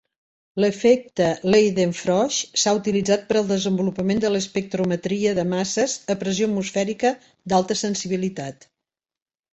L'efecte Leidenfrost s'ha utilitzat per al desenvolupament de l'espectrometria de masses a pressió atmosfèrica d'alta sensibilitat.